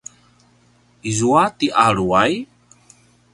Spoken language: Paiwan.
izua ti aruway?